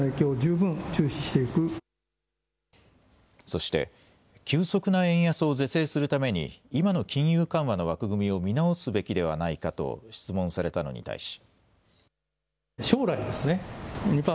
そして、急速な円安を是正するために、今の金融緩和の枠組みを見直すべきではないかと質問されたのに対し。